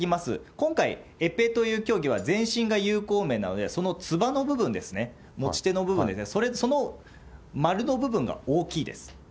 今回、エペという競技は全身が有効面なので、そのつばの部分ですね、持ち手の部分ですね、その丸の部分が大きいです。